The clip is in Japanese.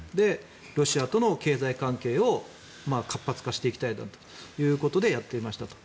ロシアとの経済関係を活発化していきたいということでやっていましたと。